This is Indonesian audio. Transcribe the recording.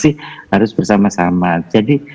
harus bersama sama jadi